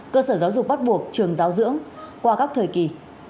cơ sở giáo dục bắt buộc trường giáo dưỡng qua các thời kỳ